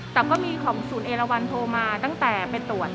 แต่ก็มีของศูนย์เอราวันโทรมาตั้งแต่ไปตรวจ